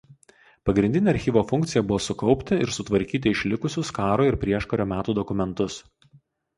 Pagrindinė archyvo funkcija buvo sukaupti ir sutvarkyti išlikusius karo ir prieškario metų dokumentus.